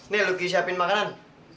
nih luki siapin makanan